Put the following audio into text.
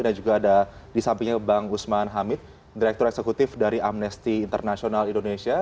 juga ada di sampingnya bang usman hamid direktur eksekutif dari amnesty international indonesia